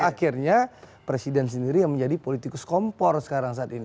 akhirnya presiden sendiri yang menjadi politikus kompor sekarang saat ini